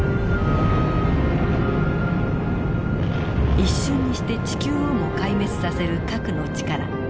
一瞬にして地球をも壊滅させる核の力。